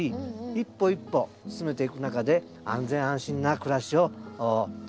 一歩一歩進めていく中で安全安心な暮らしを作っていきましょう。